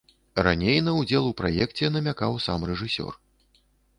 Раней на ўдзел у праекце намякаў сам рэжысёр.